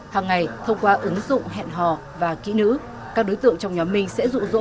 hàng ngày thông qua ứng dụng hẹn hò và kỹ nữ các đối tượng trong nhóm minh sẽ rụ rỗ